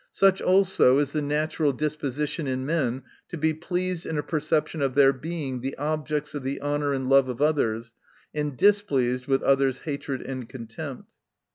Such also is the natural disposition in men to be pleased in a perception of their being the objects of the honor and love of others, and dis pleased with others' hatred and contempt.